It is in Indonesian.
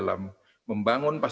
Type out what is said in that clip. dan memegangkan sekarang